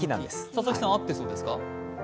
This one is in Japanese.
佐々木さん、あってそうですか？